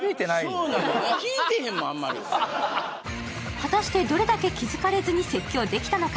果たしてどれだけ気付かれずに説教できたのか。